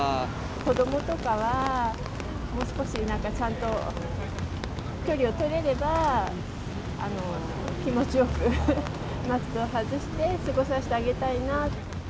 子どもとかは、もう少しなんかちゃんと距離を取れれば、気持ちよくマスクを外して過ごさせてあげたいな。